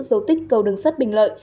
dấu tích cầu đường sắt bình lợi